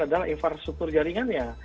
adalah infrastruktur jaringannya